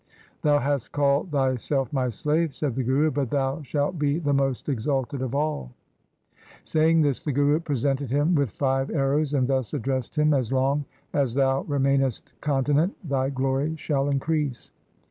' Thou hast called thy self my slave,' said the Guru, ' but thou shalt be the most exalted of all' Saying this the Guru presented him with five arrows and thus addressed him, ' As long as thou remainest continent, thy glory shall increase.